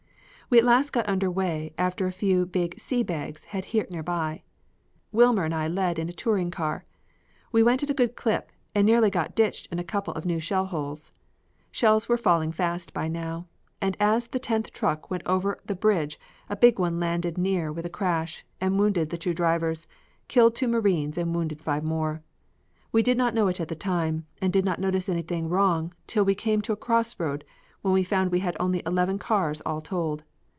We at last got under way after a few big "sea bags" had hit nearby. Wilmer and I led in a touring car. We went at a good clip and nearly got ditched in a couple of new shell holes. Shells were falling fast by now, and as the tenth truck went under the bridge a big one landed near with a crash, and wounded the two drivers, killed two marines and wounded five more. We did not know it at the time, and did not notice anything wrong till we came to a crossroad when we found we had only eleven cars all told.